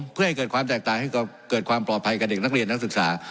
เพื่อให้เกิดความแตกต่างให้เกิดความปลอดภัยกับเด็กนักเรียนนักศึกษา